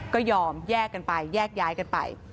ก็ยอมแยกกันไปแยกย้ายกันไป